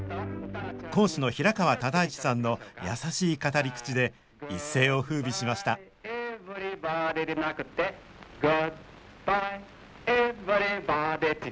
講師の平川唯一さんの優しい語り口で一世をふうびしました「グッバイエヴリバディ」